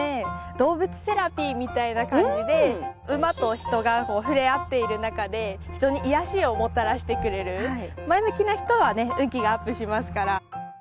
動物セラピーみたいな感じで馬と人が触れ合っている中で人に癒やしをもたらしてくれる前向きな人は運気がアップしますから。